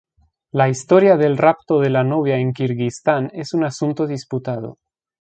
La historia del rapto de la novia en Kirguistán es un asunto disputado.